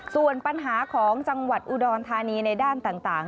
ส่วนปัญหาของจังหวัดอุดรธานีในด้านต่าง